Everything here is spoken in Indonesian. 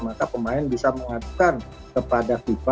maka pemain bisa mengadukan kepada fifa